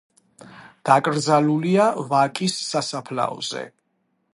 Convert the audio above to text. დაკრძალულია ვაკის სასაფლაოზე.